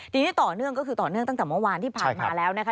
ทีนี้ต่อเนื่องก็คือต่อเนื่องตั้งแต่เมื่อวานที่ผ่านมาแล้วนะคะ